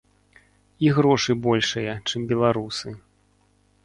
І грошы большыя, чым беларусы.